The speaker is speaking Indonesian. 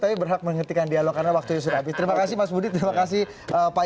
tapi berhak menghentikan dialog karena waktunya sudah habis terima kasih mas budi terima kasih pak